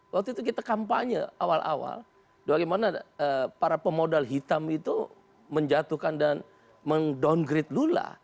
waktu itu kita kampanye awal awal bagaimana para pemodal hitam itu menjatuhkan dan mendowngrade lula